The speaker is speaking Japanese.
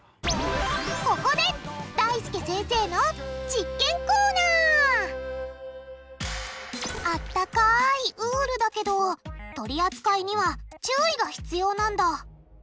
ここであったかいウールだけど取り扱いには注意が必要なんだ！